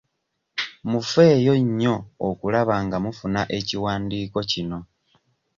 Mufeeyo nnyo okulaba nga mufuna ekiwandiiko kino.